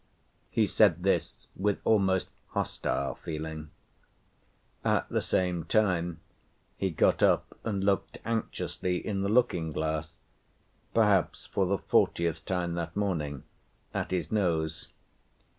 He said this with almost hostile feeling. At the same time he got up and looked anxiously in the looking‐glass (perhaps for the fortieth time that morning) at his nose.